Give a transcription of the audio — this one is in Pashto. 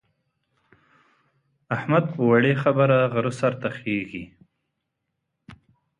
احمد په وړې خبره غره سر ته خېژي.